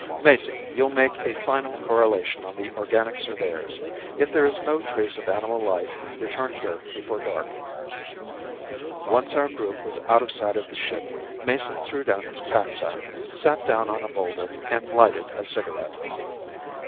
Mason, you'll make a final correlation on the organic surveyors. If there is no trace of animal life return here before dark." Once our group was out of sight of the ship, Mason threw down his packsack, sat down on a boulder and lighted a cigarette.